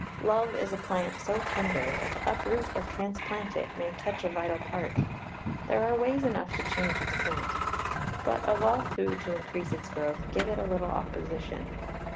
Love is a plant so tender that to uproot or transplant it may touch a vital part. There are ways enough to change its current; but of all food to increase its growth, give it a little opposition.